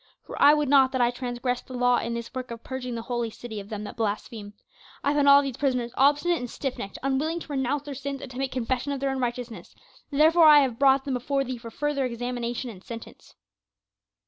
"For I would not that I transgress the law in this work of purging the holy city of them that blaspheme. I found all of these prisoners obstinate and stiff necked, unwilling to renounce their sins and to make confession of their unrighteousness, therefore I have brought them before thee for further examination and sentence."